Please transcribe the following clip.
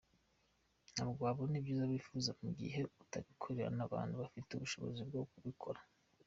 Ntabwo wabona ibyiza wifuza mu gihe utabikorewe n’abantu bafite ubushobozi bwo kubikora.